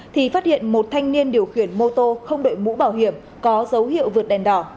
thì phát hiện một thanh niên điều khiển mô tô không đội mũ bảo hiểm có dấu hiệu vượt đèn đỏ